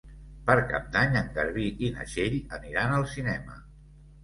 Per Cap d'Any en Garbí i na Txell aniran al cinema.